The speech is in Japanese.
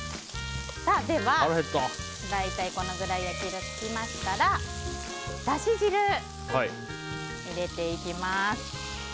では、大体このくらい焼き色がつきましたらだし汁を入れていきます。